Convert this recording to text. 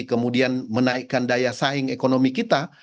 kemudian menaikkan daya saing ekonomi kita